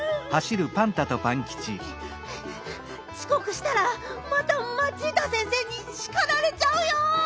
ちこくしたらまたマチータ先生にしかられちゃうよ！